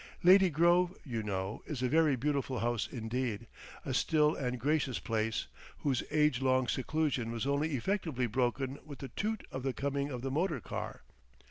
Lady Grove, you know, is a very beautiful house indeed, a still and gracious place, whose age long seclusion was only effectively broken with the toot of the coming of the motor car.